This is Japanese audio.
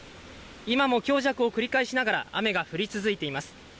今も強弱を繰り返しながら雨が降り続いています。